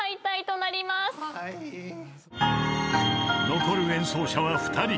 ［残る演奏者は２人］